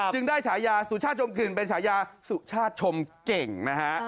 จึงได้สุชาติชมกลิ่นเป็นสุชาติชมเก่งนะฮะ